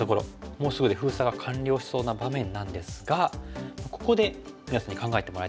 もうすぐで封鎖が完了しそうな場面なんですがここで皆さんに考えてもらいたいです。